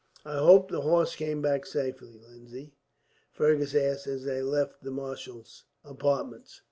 "I hope the horse came back safely, Lindsay?" Fergus asked, as they left the marshal's apartments.